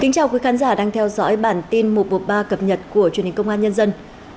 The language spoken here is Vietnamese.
chào mừng quý vị đến với bản tin một trăm một mươi ba cập nhật của truyền hình công an nhân dân